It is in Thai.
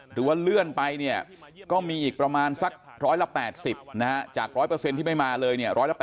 หรือว่าเลื่อนไปเนี่ยก็มีอีกประมาณสัก๑๘๐จาก๑๐๐ที่ไม่มาเลย๑๘๐